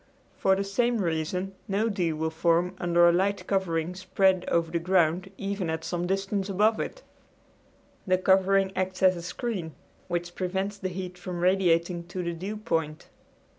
For the same reason no dew will form under a light covering spread over the ground even at some distance above it. The covering acts as a screen, which prevents the heat from radiating to the dew point.